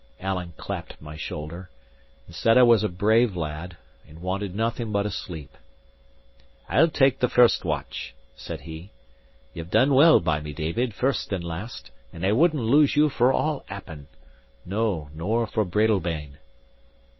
Alan clapped my shoulder, and said I was a brave lad and wanted nothing but a sleep. "I'll take the first watch," said he. "Ye've done well by me, David, first and last; and I wouldn't lose you for all Appin no, nor for Breadalbane."